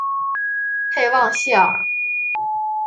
佩旺谢尔。